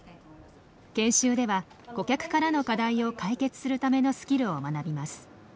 研修では顧客からの課題を解決するためのスキルを学びます。